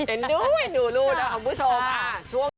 เอ็นดูเอ็นดูรูดของผู้ชมค่ะ